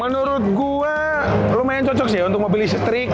menurut gua lumayan cocok sih ya untuk mau beli street